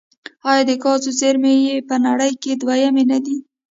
آیا د ګازو زیرمې یې په نړۍ کې دویمې نه دي؟